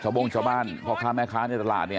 แล้วป้าไปติดหัวมันเมื่อกี้แล้วป้าไปติดหัวมันเมื่อกี้